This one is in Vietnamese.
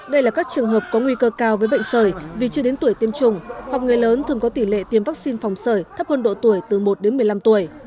đây là các trường hợp có nguy cơ cao với bệnh sởi vì chưa đến tuổi tiêm chủng hoặc người lớn thường có tỷ lệ tiêm vaccine phòng sởi thấp hơn độ tuổi từ một đến một mươi năm tuổi